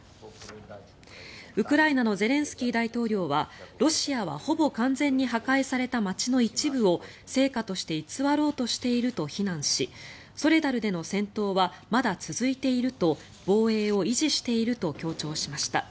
ウクライナのゼレンスキー大統領はロシアはほぼ完全に破壊された街の一部を成果として偽ろうとしていると非難しソレダルでの戦闘はまだ続いていると防衛を維持していると強調しました。